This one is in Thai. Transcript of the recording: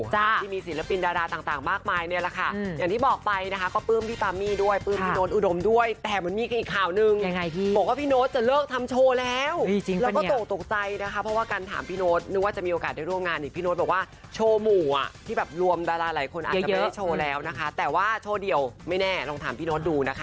ที่แบบรวมดาราหลายคนอาจจะไม่ได้โชว์แล้วนะคะแต่ว่าโชว์เดี่ยวไม่แน่ลองถามพี่โน้ตดูนะคะ